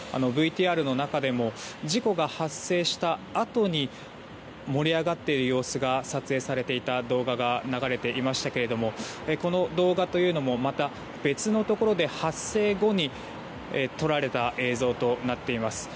ＶＴＲの中でも事故が発生したあとに盛り上がっている様子が撮影されていた動画が流れていましたけどもこの動画もまた、別のところで発生後に撮られた映像となっています。